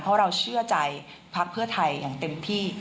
เพราะเราเชื่อใจพักเพื่อไทยอย่างเต็มที่